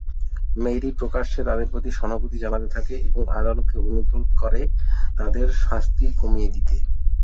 Marie প্রকাশ্যে তাদের প্রতি সহানুভূতি জানাতে থাকে এবং আদালতকে অনুরোধ করে তাদের শাস্তি কমিয়ে দিতে।